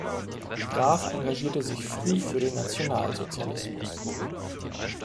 Graf engagierte sich früh für den Nationalsozialismus.